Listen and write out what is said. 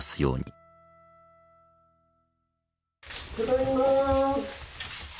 ただいま。